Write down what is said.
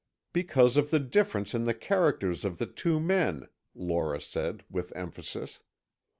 "Because of the difference in the characters of the two men," Lora said, with emphasis.